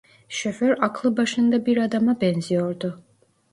Şoför aklı başında bir adama benziyordu.